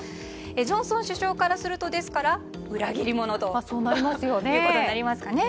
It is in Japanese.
ジョンソン首相からすると裏切り者ということになりますかね。